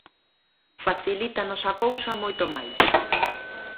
Facilítanos a cousa moito máis.